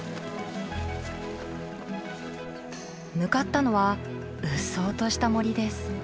向かったのは鬱蒼とした森です。